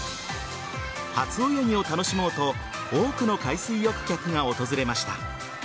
初泳ぎを楽しもうと多くの海水浴客が訪れました。